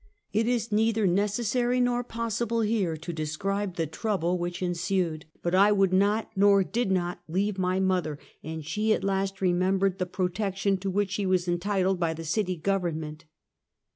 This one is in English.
It is neither possible nor necessary here to describe the trouble which ensued, but I would not nor did not leave mother, and she at last remembered the protection to which she was entitled bv the citv government.